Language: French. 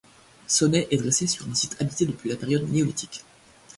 Sonnay est dressé sur un site habité depuis la période néolithique.